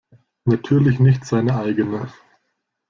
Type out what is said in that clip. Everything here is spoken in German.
Natürlich nicht seine eigene.